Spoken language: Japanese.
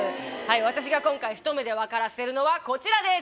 私が今回ひと目でわからせるのはこちらです！